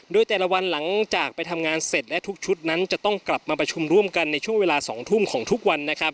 โดยแต่ละวันหลังจากไปทำงานเสร็จและทุกชุดนั้นจะต้องกลับมาประชุมร่วมกันในช่วงเวลา๒ทุ่มของทุกวันนะครับ